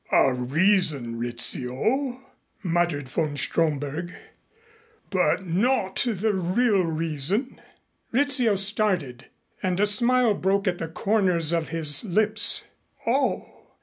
'" "A reason, Rizzio," muttered von Stromberg, "but not the real reason." Rizzio started and a smile broke at the corners of his lips. "Oh!